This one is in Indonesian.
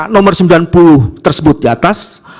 nomor sembilan puluh tersebut di atas